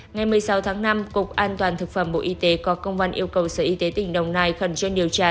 ngày một mươi sáu tháng năm cục an toàn thực phẩm bộ y tế có công văn yêu cầu sở y tế tỉnh đồng nai khẩn trương điều tra